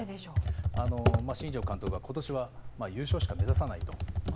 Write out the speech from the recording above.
新庄監督が今年は優勝しか目指さないと。